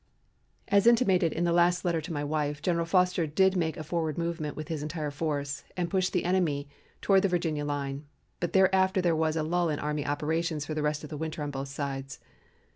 As intimated in the last letter to my wife, General Foster did make a forward movement with his entire force, and pushed the enemy toward the Virginia line, but thereafter there was a lull in army operations for the rest of the winter on both sides.